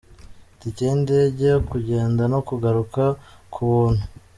Itike y’indege yo kugenda no kugaruka ku buntu.